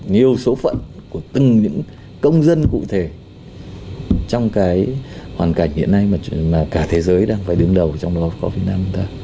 nhiều số phận của từng những công dân cụ thể trong cái hoàn cảnh hiện nay mà cả thế giới đang phải đứng đầu trong covid